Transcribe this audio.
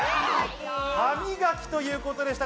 歯磨きということでした。